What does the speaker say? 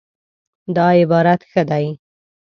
دا عبارت ښه دی